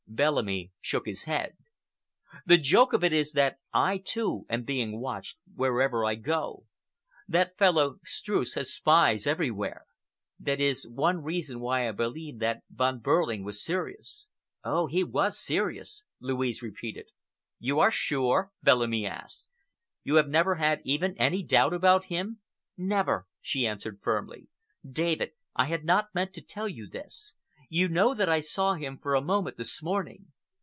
Bellamy shook his head. "The joke of it is that I, too, am being watched whereever I go. That fellow Streuss has spies everywhere. That is one reason why I believe that Von Behrling was serious. "Oh, he was serious!" Louise repeated. "You are sure?" Bellamy asked. "You have never had even any doubt about him?" "Never," she answered firmly. "David, I had not meant to tell you this. You know that I saw him for a moment this morning.